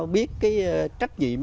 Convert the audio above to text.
biết cái trách nhiệm